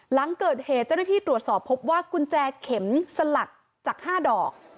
หลังเกิดเหตุเจ้าหน้าที่ตรวจสอบพบว่ากุญแจเข็มสลักจาก๕ดอก